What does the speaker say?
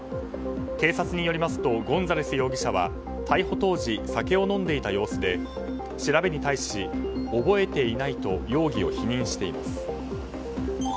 警察によりますとゴンザレス容疑者は逮捕当時、酒を飲んでいた様子で調べに対し、覚えていないと容疑を否認しています。